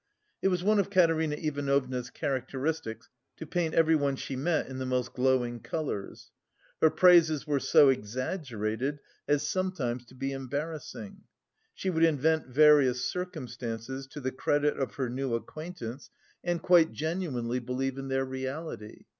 It was one of Katerina Ivanovna's characteristics to paint everyone she met in the most glowing colours. Her praises were so exaggerated as sometimes to be embarrassing; she would invent various circumstances to the credit of her new acquaintance and quite genuinely believe in their reality.